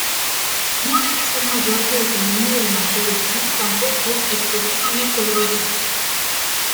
No debe ser mayor que el tamaño del mantel ni tampoco excesivamente grueso.